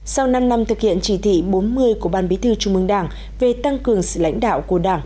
sau năm năm thực hiện chỉ thị bốn mươi của ban bí thư trung mương đảng về tăng cường sự lãnh đạo của đảng